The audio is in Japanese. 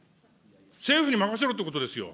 政府に任せろっていうことですよ。